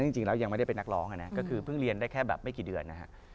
จริงแล้วยังไม่ได้เป็นนักร้องนะก็คือเพิ่งเรียนได้แค่แบบไม่กี่เดือนนะฮะ